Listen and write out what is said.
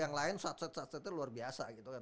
yang lain satset satsetnya luar biasa gitu kan